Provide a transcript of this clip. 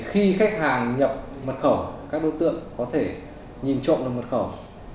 khi khách hàng nhập mật khẩu các đối tượng có thể nhìn trộm được mật khẩu